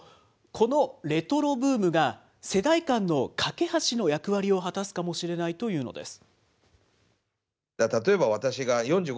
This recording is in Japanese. このレトロブームが、世代間の懸け橋の役割を果たすかもしれないというのです。